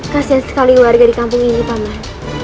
kasian sekali warga di kampung ini paman